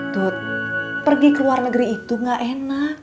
tut pergi ke luar negeri itu gak enak